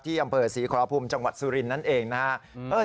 อำเภอศรีขอรพุมจังหวัดสุรินทร์นั่นเองนะครับ